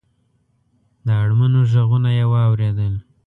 د اړمنو غږونه یې واورېدل.